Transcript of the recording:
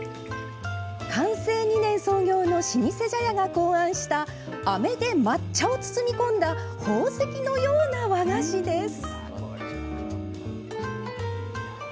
寛政２年創業の老舗茶屋が考案したあめで抹茶を包み込んだ宝石のような和菓子です。